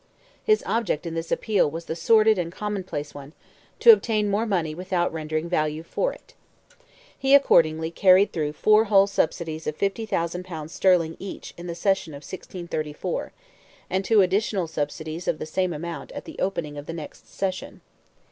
His object in this appeal was the sordid and commonplace one—to obtain more money without rendering value for it. He accordingly carried through four whole subsidies of 50,000 pounds sterling each in the session of 1634; and two additional subsidies of the same amount at the opening of the next session.